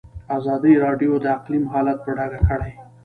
ازادي راډیو د اقلیم حالت په ډاګه کړی.